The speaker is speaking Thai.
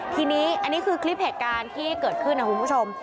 ทีนี้อันนี้คือคลิปเหตุการณ์ที่เกิดขึ้นนะคุณผู้ชม